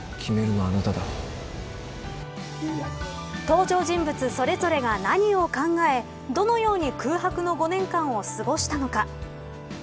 登場人物それぞれが何を考えどのように空白の５年間を過ごしたのか。